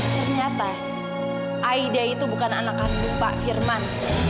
ternyata aida itu bukan anak asuh pak firman